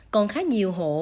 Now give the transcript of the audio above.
còn khá nhiều hộ